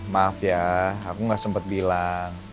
maaf ya aku gak sempet bilang